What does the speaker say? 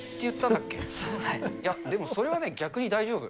でもそれはね、逆に大丈夫。